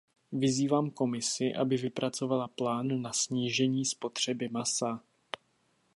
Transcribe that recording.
Vyzývám Komisi, aby vypracovala plán na snížení spotřeby masa.